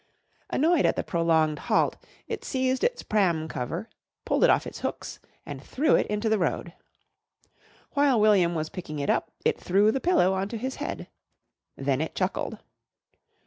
Annoyed at the prolonged halt, it seized its pram cover, pulled it off its hooks, and threw it into the road. While William was picking it up, it threw the pillow on to his head. Then it chuckled.